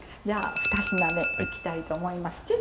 じゃあ二品目行きたいと思います。